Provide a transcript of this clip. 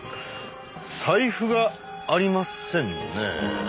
財布がありませんね。